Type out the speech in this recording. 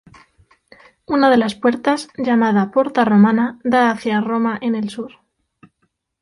Una de las puertas, llamada Porta Romana, da hacia Roma en el sur.